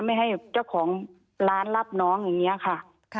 ไม่ให้เจ้าของร้านรับน้องอย่างนี้ค่ะ